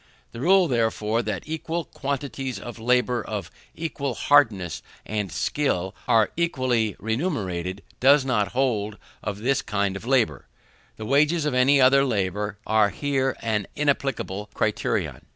The rule, therefore, that equal quantities of labour of equal hardness and skill are equally remunerated, does not hold of this kind of labour. The wages of any other labour are here an inapplicable criterion.